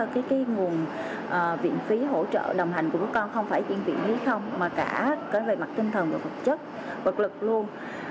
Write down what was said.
cái nguồn viện phí hỗ trợ đồng hành của bác con không phải chuyên viện như không mà cả về mặt tinh thần và vật chất vật lực luôn